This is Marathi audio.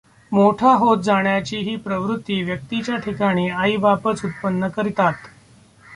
मोठा होत जाण्याची ही प्रवृत्ती व्यक्तीच्या ठिकाणी आईबापच उत्पन्न करितात.